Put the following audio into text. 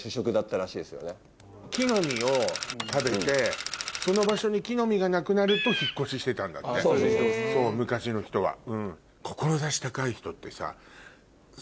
木の実を食べてその場所に木の実がなくなると引っ越ししてたんだってそう昔の人は。